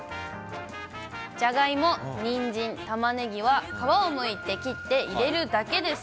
じゃがいも、にんじん、玉ねぎは皮をむいて切って入れるだけです。